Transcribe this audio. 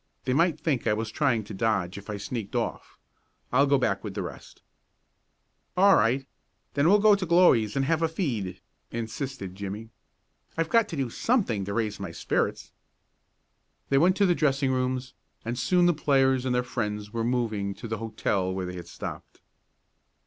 "They might think I was trying to dodge if I sneaked off. I'll go back with the rest." "All right then we'll go to Glory's and have a feed," insisted Jimmie. "I've got to do something to raise my spirits." They went to the dressing rooms, and soon the players and their friends were moving to the hotel where they had stopped.